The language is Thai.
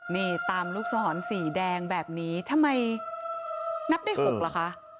นี่ตามลูกศรสีแดงแบบนี้ทำไมนับได้๖ล่ะคะ